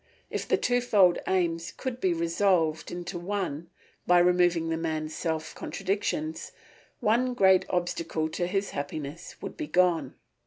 If the twofold aims could be resolved into one by removing the man's self contradictions, one great obstacle to his happiness would be gone.